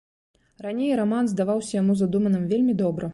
Раней раман здаваўся яму задуманым вельмі добра.